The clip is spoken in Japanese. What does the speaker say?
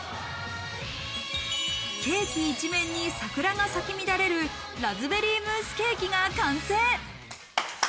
ケーキ一面に桜が咲き乱れる、ラズベリームースケーキが完成。